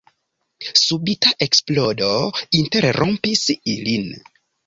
Subita eksplodo interrompis ilin.